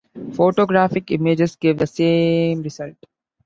Photographic images gave the same result.